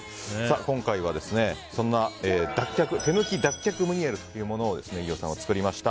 今回はそんな手抜き脱却ムニエルというものを飯尾さんは作りました。